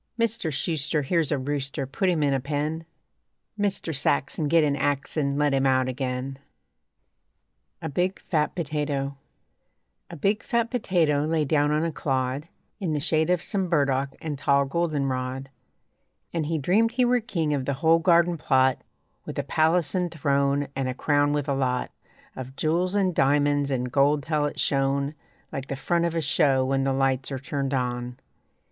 Mister Shuster, Here's a rooster, Put him in a pen. Mister Saxon, Get an ax an' Let him out again. A BIG, FAT POTATO A big, fat potato lay down on a clod In the shade of some burdock and tall goldenrod, And he dreamed he were king of the whole garden plot, With a palace and throne, and a crown with a lot Of jewels and diamonds and gold till it shone Like the front of a show when the lights are turned on.